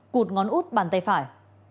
cụt ngón út bàn tay phải